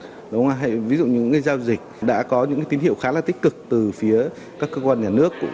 ví dụ như là những cái giao dịch đã có những cái tín hiệu khá là tích cực từ phía các cơ quan nhà nước